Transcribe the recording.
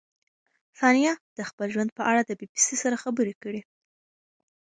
ثانیه د خپل ژوند په اړه د بي بي سي سره خبرې کړې.